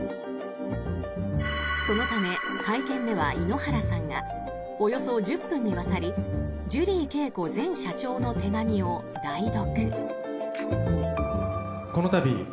そのため、会見では井ノ原さんがおよそ１０分にわたりジュリー景子前社長の手紙を代読。